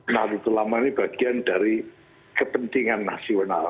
nah itu lama ini bagian dari kepentingan nasional